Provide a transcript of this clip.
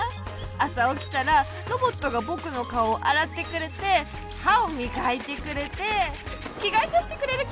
あさおきたらロボットがぼくのかおをあらってくれてはをみがいてくれてきがえさせてくれる！